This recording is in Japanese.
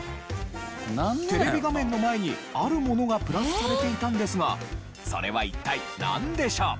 テレビ画面の前にあるものがプラスされていたんですがそれは一体なんでしょう？